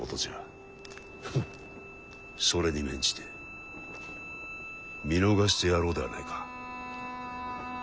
フッそれに免じて見逃してやろうではないか。